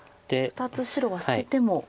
２つ白は捨てても。